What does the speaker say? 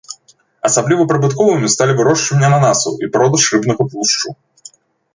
Асабліва прыбытковымі сталі вырошчванне ананасаў і продаж рыбнага тлушчу.